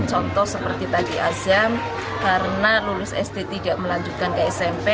contoh seperti tadi azam karena lulus sd tidak melanjutkan ke smp